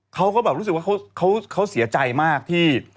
เขาก็แบบรู้สึกว่าเขาเสียใจมากที่